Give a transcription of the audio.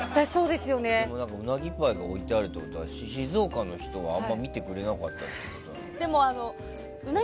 うなぎパイが置いてあるっていうことは静岡の人はあまり見てくれなかったのかな。